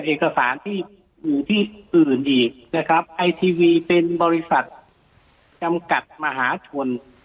เอกสารที่อยู่ที่อื่นอีกนะครับไอทีวีเป็นบริษัทจำกัดมหาชน